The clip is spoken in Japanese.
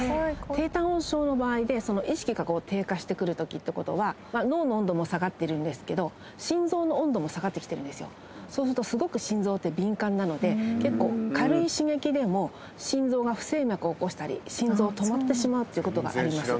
低体温症の場合で意識が低下してくるときってことは脳の温度も下がってるんですけどそうするとすごく心臓って敏感なので結構軽い刺激でも心臓が不整脈を起こしたり心臓止まってしまうってことがあります